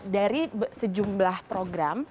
dari sejumlah program